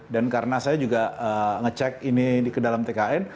dan karena saya juga ngecek ini ke dalam tkn